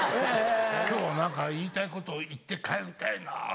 今日は言いたいことを言って帰りたいなと。